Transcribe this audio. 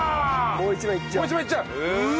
もう一枚いっちゃう？